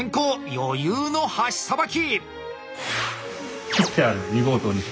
余裕の箸さばき！